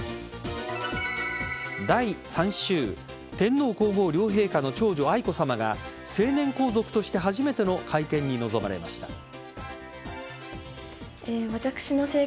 第３週天皇皇后両陛下の長女愛子さまが成年皇族として初めての会見に臨まれました。